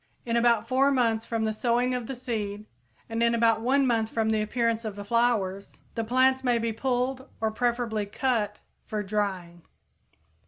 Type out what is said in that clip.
In about four months from the sowing of the seed, and in about one month from the appearance of the flowers, the plants may be pulled, or preferably cut, for drying.